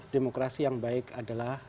demokrasi yang baik adalah